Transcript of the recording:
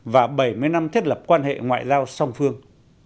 và bảy mươi năm thiết lập quan hệ ngoại giao song phương